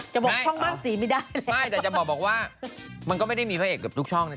ตอนนี้ช่องมากสีตอนนี้เรามีถึง๗๐๐กว่าช่องนะ